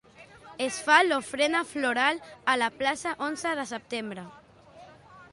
Es fa l'ofrena floral a la plaça onze de setembre.